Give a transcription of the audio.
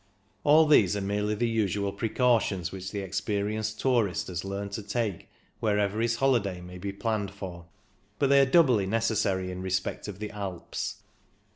All these are merely the usual precautions which the experienced tourist has learned to take wherever his holiday may be planned for ; but they are doubly necessary in respect of the Alps.